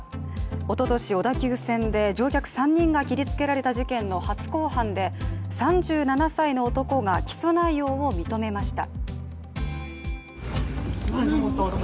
おととし小田急線で乗客３人が切りつけられた事件の初公判で、３７歳の男が起訴内容を認めました。